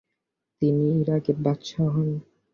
তিনি ইরাকের বাদশাহ হন।